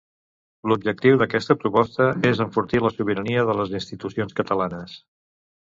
L'objectiu d'aquesta proposta és enfortir la sobirania de les institucions catalanes.